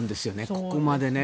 ここまでね。